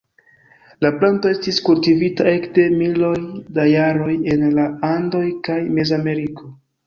La planto estis kultivita ekde miloj da jaroj en la Andoj kaj Mezameriko.